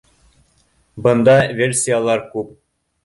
бында версиялар күп